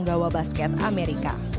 seorang gawa basket amerika